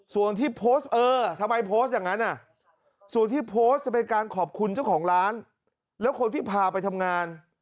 ส่วนที่โพสต์ทำไมโพสร์อย่างนั้นให้เป็นการขอบคุณเจ้าของร้านและคนที่พาไปทำงาน